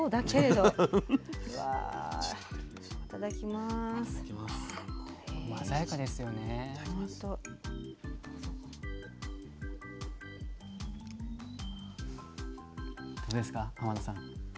どうですか天野さん？